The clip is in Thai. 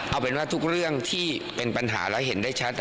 เอาเป็นว่าทุกเรื่องที่เป็นปัญหาแล้วเห็นได้ชัด